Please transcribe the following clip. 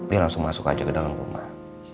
dia langsung masuk aja ke dalam rumah